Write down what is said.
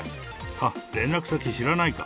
あっ、連絡先知らないか。